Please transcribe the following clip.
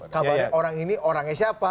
kabarnya orang ini orangnya siapa